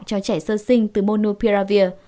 cho trẻ sơ sinh từ monopiravir